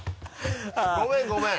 ごめんごめん。